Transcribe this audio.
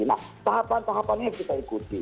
nah tahapan tahapannya yang kita ikuti